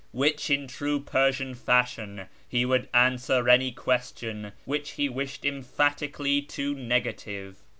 with which, in true Persian fashion, he would answer any question which he wished emphatically to negative.